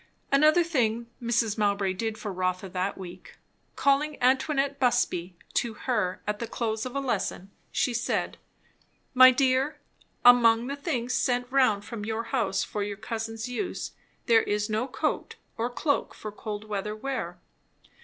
Another thing Mrs. Mowbray did for Rotha that week. Calling Antoinette Busby to her, at the close of a lesson, she said, "My dear, among the things sent round from your house for your cousin's use, there is no coat or cloak for cold weather wear.